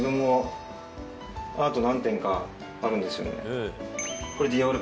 アート何点かあるんですよ。